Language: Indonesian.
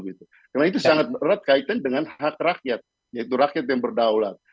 karena itu sangat berat kaitan dengan hak rakyat yaitu rakyat yang berdaulat